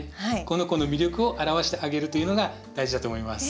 この子の魅力を表してあげるというのが大事だと思います。